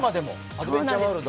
アドベンチャーワールド。